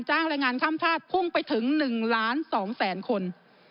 แรงงานข้ามชาติพุ่งไปถึง๑ล้าน๒แสนคน